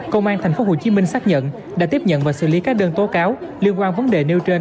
công an tp hcm xác nhận đã tiếp nhận và xử lý các đơn tố cáo liên quan vấn đề nêu trên